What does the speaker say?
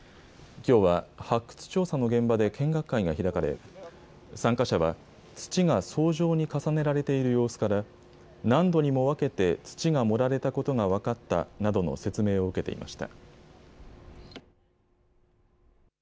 きょうは、発掘調査の現場で見学会が開かれ、参加者は、土が層状に重ねられている様子から、何度にも分けて土が盛られたことが分かったなどの説明を受けていました。